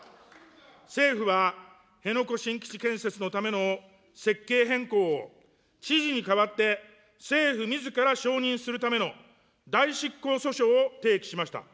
政府は、辺野古新基地建設のための設計変更を、知事に代わって、政府みずから承認するための代執行訴訟を提起しました。